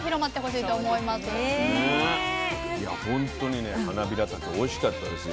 いやほんとにねはなびらたけおいしかったですよ。